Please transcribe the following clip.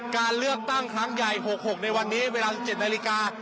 การเลือกตั้งครั้งใหญ่๖๖ในวันนี้เวลา๑๗นาฬิกา